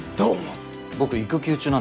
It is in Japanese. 僕育休中なんですけど。